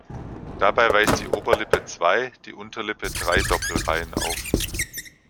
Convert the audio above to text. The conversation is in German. Dabei weist die Oberlippe zwei, die Unterlippe drei Doppelreihen auf.